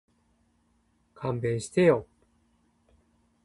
勘弁してよ